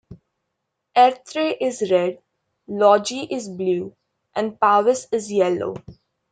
Airthrey is Red, Logie is Blue and Powis is Yellow.